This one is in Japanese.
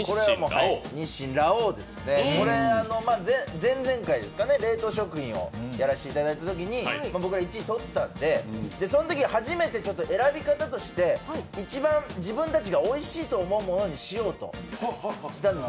前々回、冷凍食品をやらせていただいたときに僕が１位取ったんで、そのとき初めて選び方として、一番自分たちがおいしいと思うものにしたんです。